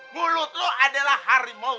mulut lo adalah harimau tau